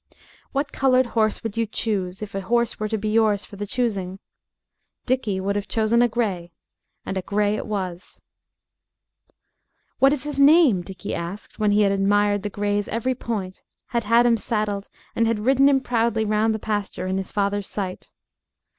What colored horse would you choose if a horse were to be yours for the choosing? Dickie would have chosen a gray, and a gray it was. "What is his name?" Dickie asked, when he had admired the gray's every point, had had him saddled, and had ridden him proudly round the pasture in his father's sight.